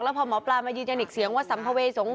พอหมอปลามายืนยันอีกเสียงว่าสัมภเวษง